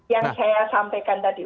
yang saya sampaikan tadi